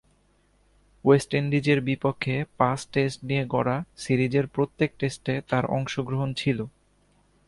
West ইন্ডিজের বিপক্ষে পাঁচ-টেস্ট নিয়ে গড়া সিরিজের প্রত্যেক টেস্টে তার অংশগ্রহণ ছিল।